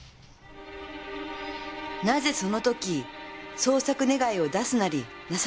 なぜその時捜索願を出すなりなさらなかったんですか？